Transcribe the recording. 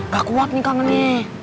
gak kuat nih kangennya